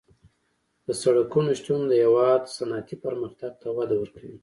د سرکونو شتون د هېواد صنعتي پرمختګ ته وده ورکوي